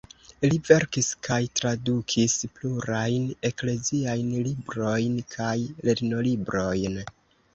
Li verkis kaj tradukis plurajn ekleziajn librojn kaj lernolibrojn.